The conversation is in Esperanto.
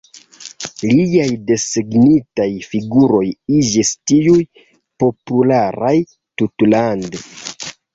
Liaj desegnitaj figuroj iĝis tuj popularaj tutlande.